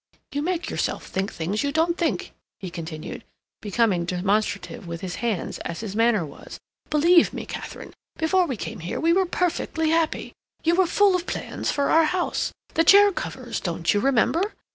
"You make yourself think things you don't think," he continued, becoming demonstrative with his hands, as his manner was. "Believe me, Katharine, before we came here we were perfectly happy. You were full of plans for our house—the chair covers, don't you remember?